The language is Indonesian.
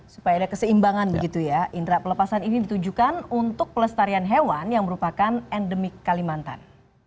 supaya ada keseimbangan begitu ya indera pelepasan ini ditujukan untuk pelestarian hewan yang merupakan endemik kalimantan